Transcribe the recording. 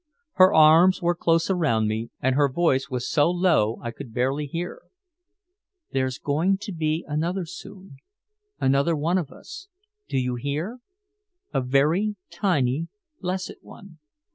Her arms were close around me and her voice was so low I could barely hear: "There's going to be another soon another one of us do you hear? a very tiny blessed one."